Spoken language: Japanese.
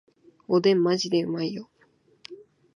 おでんマジでうまいよ